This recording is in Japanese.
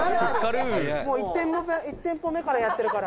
「もう１店舗目からやってるから」